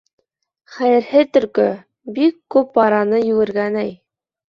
Хәйерһеҙ Төлкө, бик күп араны йүгергән, әй.